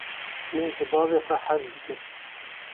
Min ji bavê xwe hez dikir.